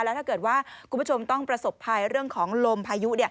แล้วถ้าเกิดว่าคุณผู้ชมต้องประสบภัยเรื่องของลมพายุ